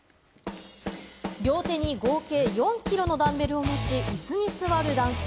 両手に合計４キロのダンベルを持ち、椅子に座る男性。